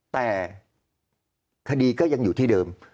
แต่คดีก็ยังอยู่ที่เดิม